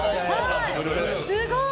すごい。